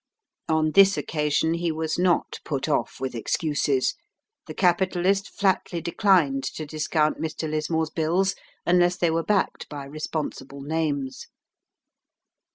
On this occasion he was not put off with excuses. The capitalist flatly declined to discount Mr. Lismore's bills unless they were backed by responsible names.